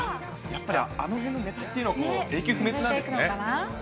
やっぱりあのへんのネタっていうのは、永久不滅なんですね。